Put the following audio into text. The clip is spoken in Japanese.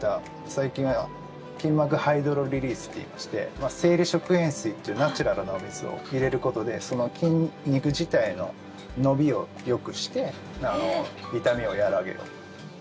最近は筋膜ハイドロリリースといいまして生理食塩水というナチュラルなお水を入れることで筋肉自体の伸びをよくして痛みを和らげる。